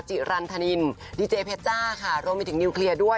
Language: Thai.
จิรันธนินดีเจเพชจ้าค่ะรวมไปถึงนิวเคลียร์ด้วย